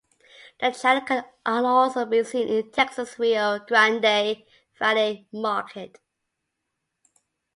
The channel can also be seen in Texas' Rio Grande Valley market.